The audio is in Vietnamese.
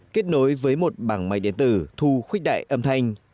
kết nối với một bảng máy điện tử thu khuếch đại âm thanh